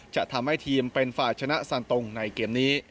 จะทำให้ทีมเป็นฝ่ายชนะสันตรงในเกมนี้